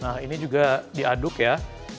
nah ini juga diaduk ya